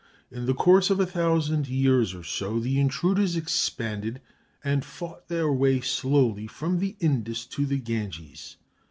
In the course of a thousand years or so, the intruders expanded and fought their way slowly from the Indus to the Ganges.